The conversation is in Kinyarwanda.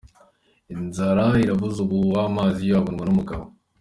Inzara iravuza ubuhuha, amazi yo akabonwa n’umugabo.